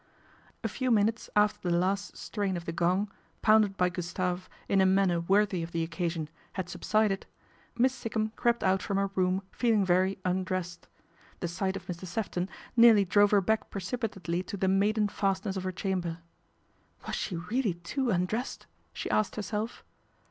A few minutes after the last strain of the gong, pounded by Gustave in a manner worthy of the occasion, had subsided, Miss Sikkum crept out rom her room feeling very " undressed." The ight of Mr. Sefton nearly drove her back precipi ately to the maiden fastness of her chamber. " Was he really too undressed? " she asked herself.